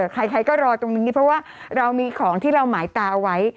ใครก็รอตรงนี้เพราะว่าเรามีของที่เราหมายตาเอาไว้